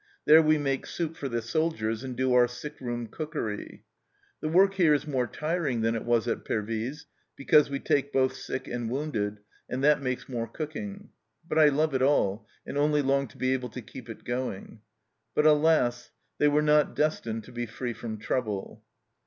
There we make soup for the soldiers and do our sick room cookery. The work here is more tiring than it was at Pervyse, because we take both sick and wounded, and that makes more cooking; but I love it all, and only long to be able to keep it going." But, alas ! they were not destined to be free from trouble.